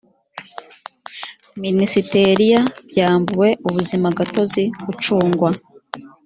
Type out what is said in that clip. minisiteriya byambuwe ubuzimagatozi ucungwa